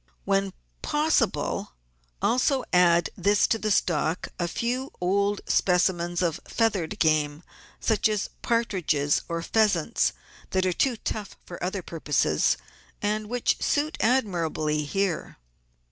When possible also add to this stock a few old specimens of feathered game, such as partridges or pheasants that are too tough for other purposes and which suit admirably here.